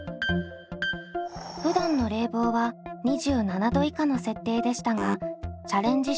ふだんの冷房は２７℃以下の設定でしたがチャレンジ